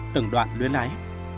từng đoạn luyến lái